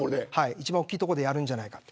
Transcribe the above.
一番大きい所でやるんじゃないかと。